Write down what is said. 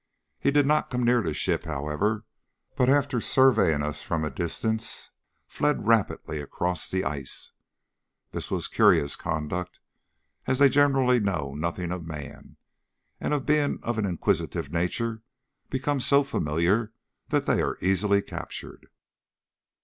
He did not come near the ship, however, but after surveying us from a distance fled rapidly across the ice. This was curious conduct, as they generally know nothing of man, and being of an inquisitive nature, become so familiar that they are easily captured.